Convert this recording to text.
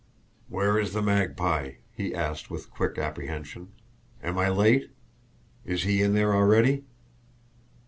"Where is the Magpie?" he asked, with quick apprehension. "Am I late? Is he in there already?"